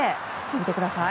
見てください。